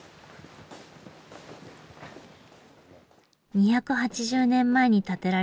２８０年前に建てられた仕込み蔵。